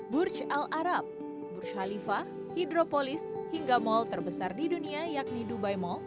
burj al arab burshalifa hidropolis hingga mal terbesar di dunia yakni dubai mall